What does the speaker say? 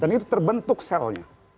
dan itu terbentuk selnya